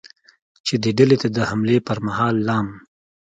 چې دې ډلې ته د حملې پرمهال ل